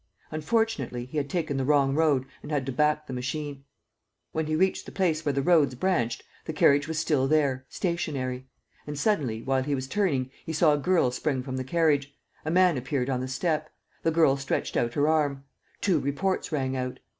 Unfortunately, he had taken the wrong road and had to back the machine. When he reached the place where the roads branched, the carriage was still there, stationary. And, suddenly, while he was turning, he saw a girl spring from the carriage. A man appeared on the step. The girl stretched out her arm. Two reports rang out.